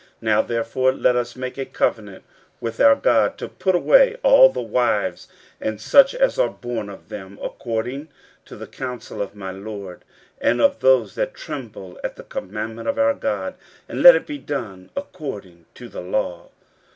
15:010:003 Now therefore let us make a covenant with our God to put away all the wives, and such as are born of them, according to the counsel of my lord, and of those that tremble at the commandment of our God; and let it be done according to the law.